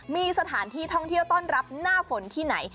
มีสถานที่ท่องเที่ยวต้อนรับหน้าฝนที่ไหน